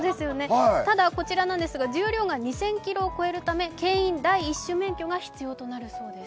ただこちら、重量が２０００ｋｇを超えるためけん引第一種免許が必要となるそうです。